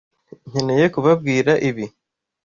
Nkeneye kubabwira ibi.